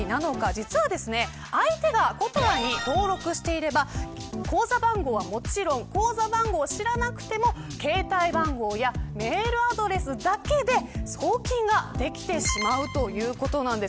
実は、相手がことらに登録していれば口座番号を知らなくても携帯番号やメールアドレスだけで送金ができてしまうということなんです。